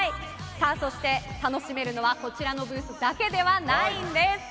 そして、楽しめるのはこちらのブースだけではないんです。